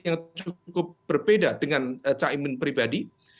yang cukup berbeda dengan caimin pribadi